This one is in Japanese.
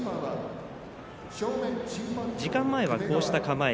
時間前はこうした構え。